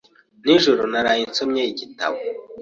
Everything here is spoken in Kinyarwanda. Nijoro naraye nsomye igitabo.